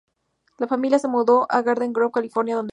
La familia se mudó a Garden Grove, California, donde se crio.